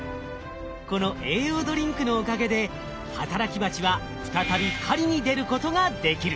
この栄養ドリンクのおかげで働きバチは再び狩りに出ることができる。